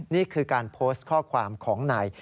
นี่คือการโพสต์ข้อความของนาย